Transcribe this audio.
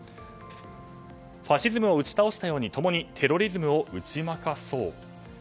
ファシズムを打ち倒したように共にテロリズムを打ち負かそう。